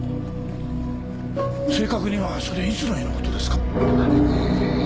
正確にはそれいつの日の事ですか？